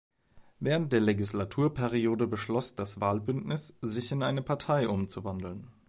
Während der Legislaturperiode beschloss das Wahlbündnis, sich in eine Partei umzuwandeln.